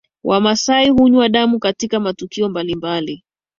Wamaasai hunywa damu katika matukio mbalimbali